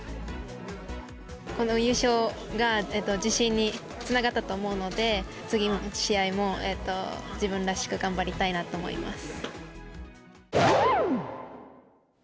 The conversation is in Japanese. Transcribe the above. この優勝が自信につながったと思うので、次の試合も自分らしく頑張りたいなと思います。